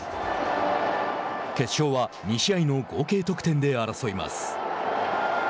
決勝は２試合の合計得点で争います。